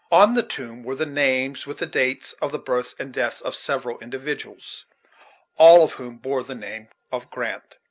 On the tomb were the names, with the dates of the births and deaths, of several individuals, all of whom bore the name of Grant.